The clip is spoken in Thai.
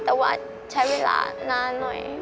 แต่ว่าใช้เวลานานหน่อย